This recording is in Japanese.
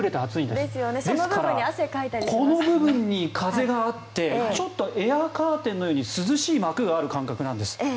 ですから、この部分に風があってエアカーテンのように涼しい膜がある感覚なんです。